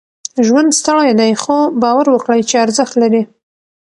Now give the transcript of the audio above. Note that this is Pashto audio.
ژوند ستړی دی، خو؛ باور وکړئ چې ارزښت لري.